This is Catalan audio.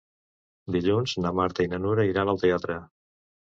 Dilluns na Marta i na Nura iran al teatre.